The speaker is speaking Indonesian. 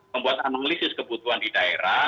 membuat analisis kebutuhan di daerah